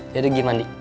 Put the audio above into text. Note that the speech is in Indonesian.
jadi pergi mandi